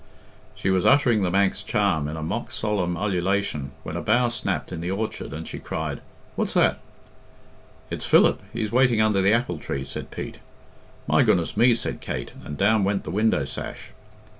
She was uttering the Manx charm in a mock solemn ululation when a bough snapped in the orchard, and she cried, "What's that?" "It's Philip. He's waiting under the apple tree," said Pete. "My goodness me!" said Kate, and down went the window sash.